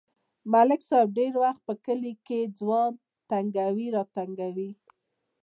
ملک صاحب ډېری وخت په کلي کې ځوان تنگوي راتنگوي.